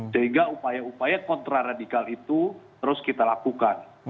sehingga upaya upaya kontra radikal itu terus kita lakukan